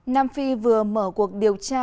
nam phi vừa mở cuộc điều tra